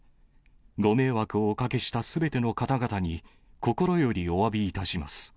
ご迷惑をおかけしたすべての方々に心よりおわびいたします。